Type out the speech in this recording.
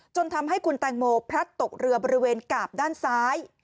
จนทำให้คุณแตงโมพลัดตกเรือบริเวณกาบด้านซ้าย